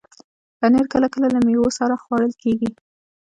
پنېر کله کله له میوو سره خوړل کېږي.